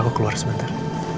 aku keluar sebentar